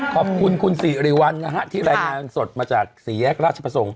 ขอบคุณคุณสิริวัลนะฮะที่รายงานสดมาจากสี่แยกราชประสงค์